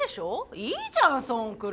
いいじゃんそんくらい。